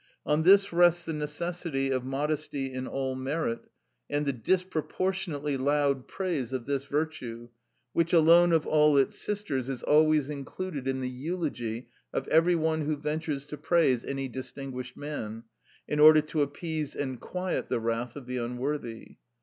On this rests the necessity of modesty in all merit, and the disproportionately loud praise of this virtue, which alone of all its sisters is always included in the eulogy of every one who ventures to praise any distinguished man, in order to appease and quiet the wrath of the unworthy.